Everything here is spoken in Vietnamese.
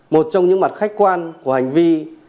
một trong những mặt khách quan của hành vi